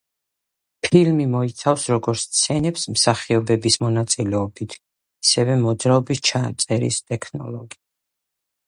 ფილმი მოიცავს როგორც სცენებს მსახიობების მონაწილეობით, ისევე მოძრაობის ჩაწერის ტექნოლოგიით.